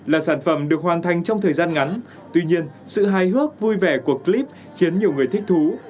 là sản phẩm được hoàn thành trong thời gian ngắn tuy nhiên sự hài hước vui vẻ của clip khiến nhiều người thích thú